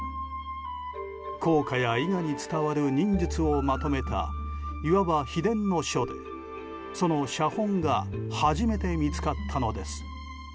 甲賀や伊賀に伝わる技術をまとめたいわば秘伝の書で、その写本が初めて見つかったのです。